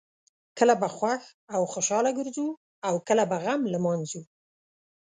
کله به خوښ او خوشحاله ګرځو او کله به غم لمانځو.